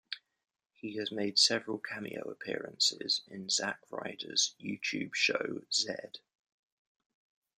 He has made several cameo appearances in Zack Ryder's YouTube show Z!